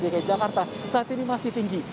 dki jakarta saat ini masih tinggi